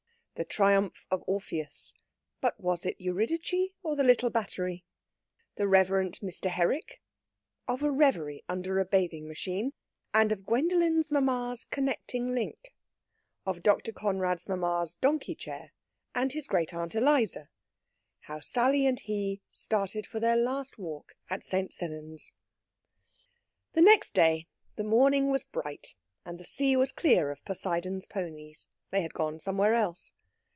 THE TRIUMPH OF ORPHEUS. BUT WAS IT EURYDICE OR THE LITTLE BATTERY? THE REV. MR. HERRICK. OF A REVERIE UNDER A BATHING MACHINE, AND OF GWENDOLEN'S MAMMA'S CONNECTING LINK. OF DR. CONRAD'S MAMMA'S DONKEY CHAIR, AND HIS GREAT AUNT ELIZA. HOW SALLY AND HE STARTED FOR THEIR LAST WALK AT ST. SENNANS The next day the morning was bright and the sea was clear of Poseidon's ponies. They had gone somewhere else.